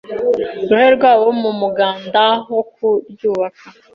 uruhare rwabo mu muganda wo kuryubaka.